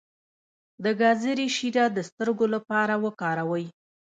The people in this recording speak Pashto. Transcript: د ګازرې شیره د سترګو لپاره وکاروئ